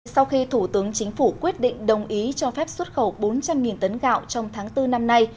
sau khi thủ tướng chính phủ quyết định đồng ý cho phép xuất khẩu bốn trăm linh tấn gạo trong tháng bốn năm nay